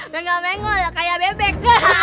bengkal mengol kayak bebek